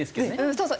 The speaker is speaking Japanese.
そうそう。